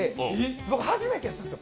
僕、初めてやったんですよ